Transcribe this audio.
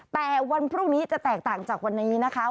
แต่วันพรุ่งนี้จะแตกต่างจากวันนี้นะคะ